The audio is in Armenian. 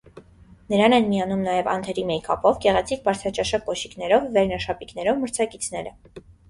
Նրան են միանում նաև անթերի մեյքափով, գեղեցիկ բարձրաճաշակ կոշիկներով, վերնաշապիկներով մրցակիցները։